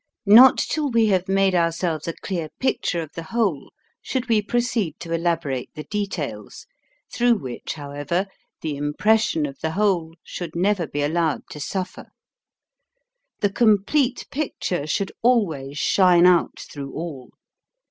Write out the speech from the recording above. Not till we have made ourselves a clear picture of the whole should we proceed to elaborate the details, through which, however, the impression of the whole should never be allowed to suffer. The com plete picture should always shine out through all.